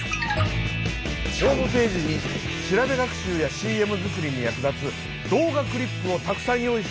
ホームページに調べ学習やＣＭ作りに役立つ動画クリップをたくさん用意しておいた。